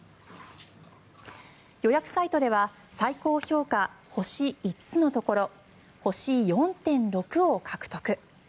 予約サイトでは最高評価、星５つのところ星４．６を獲得。